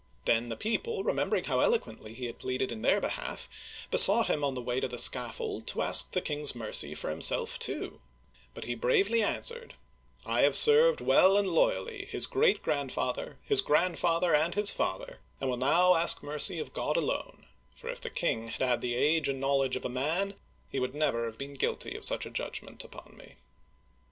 Then the people, remembering how eloquently he had pleaded in their behalf, besought him on the way to the scaffold, to ask the king's mercy for himself, too ; but he bravely answered, " I have served well and loyally his great grandfather, his grandfather, and his father, and will now ask mercy of God alone, for if the king had had the age and knowledge of a man, he would never have been guilty of such a judgment upon me."